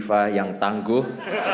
tifa yang tangguh